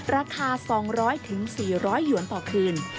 ราคา๒๐๐๔๐๐หยวนต่อคืน